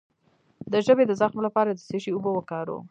د ژبې د زخم لپاره د څه شي اوبه وکاروم؟